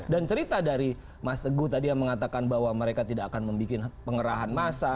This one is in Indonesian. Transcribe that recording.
dan cerita dari mas teguh tadi yang mengatakan bahwa mereka tidak akan membuat pengerahan massa